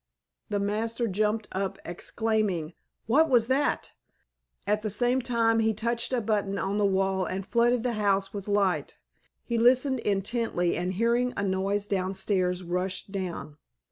The master jumped up exclaiming, "What was that?" At the same time he touched a button on the wall and flooded the house with light. He listened intently and hearing a noise downstairs rushed down.